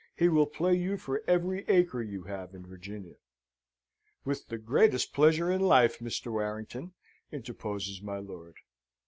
He will play you for every acre you have in Virginia." "With the greatest pleasure in life, Mr. Warrington!" interposes my lord.